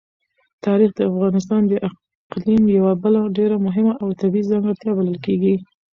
تاریخ د افغانستان د اقلیم یوه بله ډېره مهمه او طبیعي ځانګړتیا بلل کېږي.